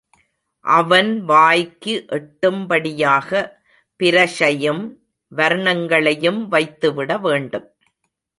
அவன் வாய்க்கு எட்டும் படியாக பிரஷையும், வர்ணங்களையும் வைத்துவிட வேண்டும்.